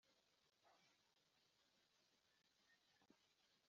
Ababwiriza bagera ku barangwa n umwuka wo kwigomwa